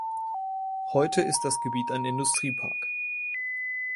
Heute ist das Gebiet ein Industriepark.